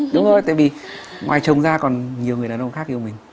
đúng rồi tại vì ngoài chồng da còn nhiều người đàn ông khác yêu mình